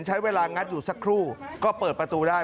ใช้เวลางัดอยู่สักครู่ก็เปิดประตูได้